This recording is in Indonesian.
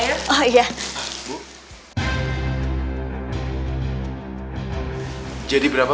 akuheikte treme dari warga ini